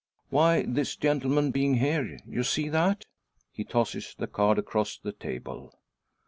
"Why, this gentleman being here. You see that?" He tosses the card across the table.